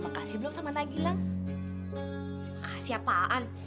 oh elu juga ikutan